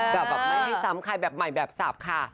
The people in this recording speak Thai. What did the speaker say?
แต่แบบไม่ให้ซ้ำใครแบบใหม่แบบสับค่ะ